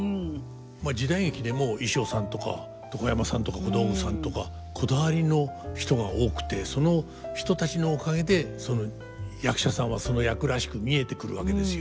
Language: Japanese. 時代劇でも衣装さんとか床山さんとか小道具さんとかこだわりの人が多くてその人たちのおかげで役者さんはその役らしく見えてくるわけですよ。